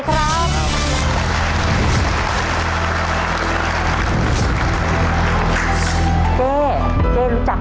ขอบคุณครับ